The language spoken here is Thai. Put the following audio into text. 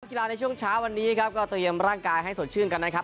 กีฬาในช่วงเช้าวันนี้ครับก็เตรียมร่างกายให้สดชื่นกันนะครับ